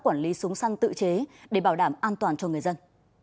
quản lý súng săn tự chế để bảo đảm an toàn cho người dân